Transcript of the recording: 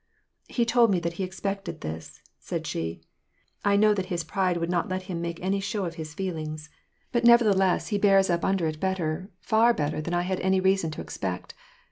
" He told me that he expected this," said she. " I know that his pride would not let him make any show of his feelings, bat WAJt AND PEACE, 387 nevertheless he bears up under it better^ far better, than I had any reason to expect.